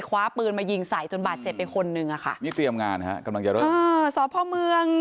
มีคว้าปืนมายิงใส่จนบาดเจ็บเป็นคนหนึ่งมีเตรียมงานกำลังจะเริ่ม